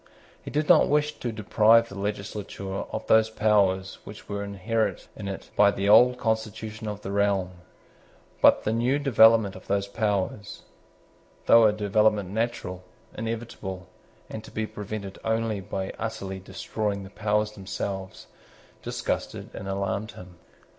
He did not wish to deprive the legislature of those powers which were inherent in it by the old constitution of the realm: but the new development of those powers, though a development natural, inevitable, and to be prevented only by utterly destroying the powers themselves, disgusted and alarmed him.